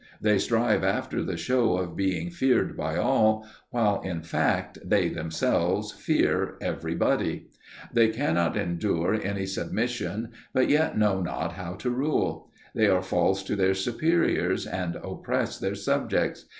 They strive after the show of being feared by all, while in fact they themselves fear every body. They cannot endure any submission; but yet know not how to rule. They are false to their superiors, and oppress their subjects.